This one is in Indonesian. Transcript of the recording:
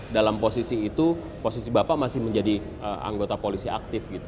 dalam posisi itu posisi bapak masih menjadi anggota polisi aktif gitu